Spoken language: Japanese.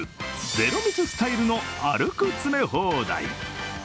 ゼロ密スタイルの歩く詰め放題。